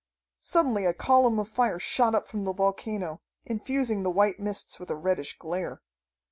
Suddenly a column of fire shot up from the volcano, infusing the white mists with a reddish glare.